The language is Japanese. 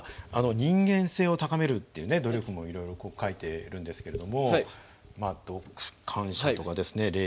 人間性を高めるっていう努力もいろいろ書いているんですけれどもまあ「感謝」とかですね「礼儀」とか。